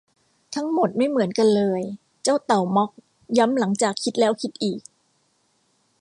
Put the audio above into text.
ทั้งหมดไม่เหมือนกันเลย เจ้าเต่าม็อคย้ำหลังจากคิดแล้วคิดอีก